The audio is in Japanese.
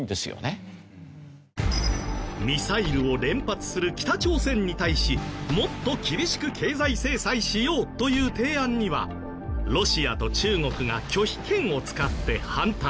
ミサイルを連発する北朝鮮に対しもっと厳しく経済制裁しようという提案にはロシアと中国が拒否権を使って反対。